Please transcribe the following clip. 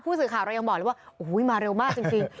สื่อข่าวเรายังบอกเลยว่าโอ้โหมาเร็วมากจริง